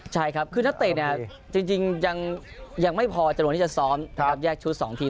ใช่ครับคือนักเตะเนี่ยจริงยังไม่พอจำนวนที่จะซ้อมแยกชุด๒ทีม